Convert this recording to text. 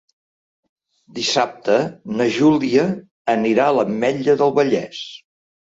Dissabte na Júlia anirà a l'Ametlla del Vallès.